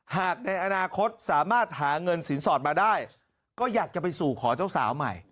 ในอนาคตสามารถหาเงินสินสอดมาได้ก็อยากจะไปสู่ขอเจ้าสาวใหม่